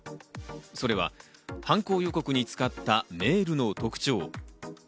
それは犯行予告に使ったメールの特徴。